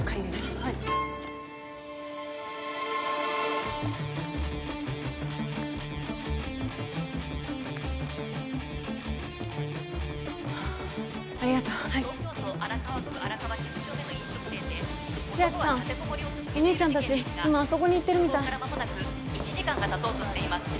はいはあありがとう東京都荒川区荒川９丁目の飲食店で千晶さんお兄ちゃん達今あそこに行ってるみたい通報からまもなく１時間がたとうとしています